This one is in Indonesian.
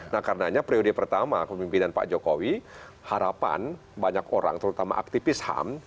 nah karenanya periode pertama kemimpinan pak jokowi harapan banyak orang terutama aktivis ham